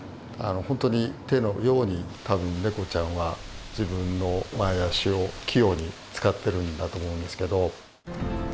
本当に手のように多分ネコちゃんは自分の前足を器用に使ってるんだと思うんですけど。